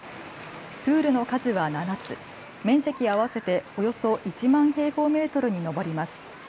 プールの数は７つ、面積合わせておよそ１万平方メートルに上ります。